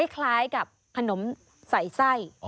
คล้ายกับขนมใส่ไส้